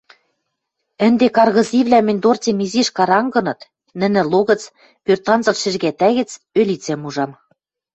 Ӹнде каргызивлӓ мӹнь дорцем изиш карангыныт, нӹнӹ логӹц, пӧртанцыл шӹжгӓтӓ гӹц ӧлицӓм ужам.